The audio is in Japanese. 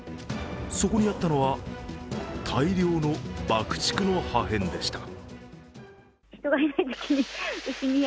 そこにあったのは大量の爆竹の破片でした。